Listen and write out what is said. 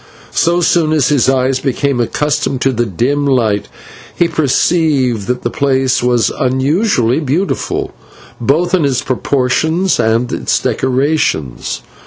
So soon as his eyes became accustomed to the dim light, he perceived that the place was unusually beautiful, both in its proportions and its decorations.